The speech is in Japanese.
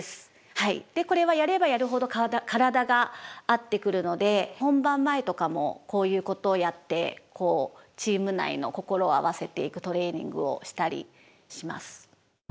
これはやればやるほど体が合ってくるので本番前とかもこういうことをやってチーム内の心を合わせていくトレーニングをしたりします。